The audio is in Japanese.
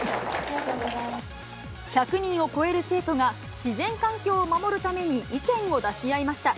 １００人を超える生徒が自然環境を守るために意見を出し合いました。